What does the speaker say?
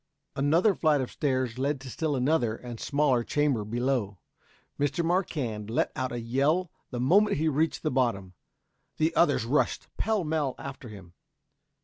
Another flight of stairs led to still another and smaller chamber below. Mr. Marquand let out a yell the moment he reached the bottom. The others rushed pell mell after him.